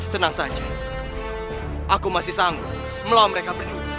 tenang saja aku masih sanggup melawan mereka berdua